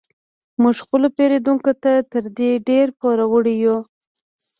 موږ خپلو پیرودونکو ته تر دې ډیر پور وړ یو